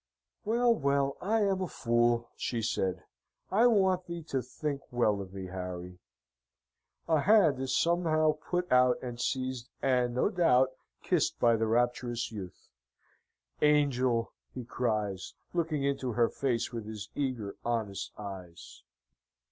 "Well, well! I am a fool," she said. "I want thee to think well of me, Harry!" A hand is somehow put out and seized and, no doubt, kissed by the rapturous youth. "Angel!" he cries, looking into her face with his eager, honest eyes.